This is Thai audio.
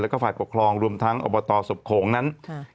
แล้วก็ฝ่ายปกครองรวมทั้งอบตศพโขงนั้น